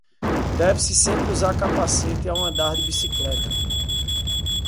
Deve-se sempre usar capacete ao andar de bicicleta.